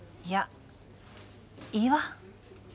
いやいいわ。